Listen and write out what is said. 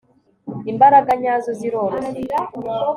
imbaraga nyazo ziroroshye